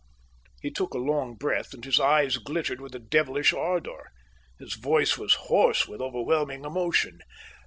He took a long breath, and his eyes glittered with a devilish ardour. His voice was hoarse with overwhelming emotion.